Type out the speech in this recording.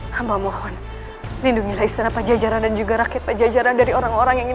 hamba mohon lindungi istana penjejaran dan juga rakyat penjejaran dari orang orang yang ingin